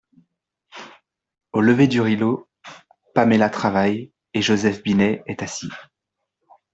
Au lever du rideau Paméla travaille, et Joseph Binet est assis.